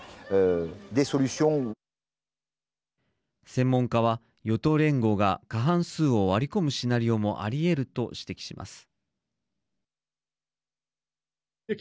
専門家は与党連合が過半数を割り込むシナリオもありえると指摘します。